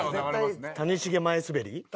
谷繁前スベり？